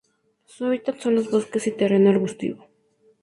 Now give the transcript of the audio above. Su hábitat son los bosques y terreno arbustivo.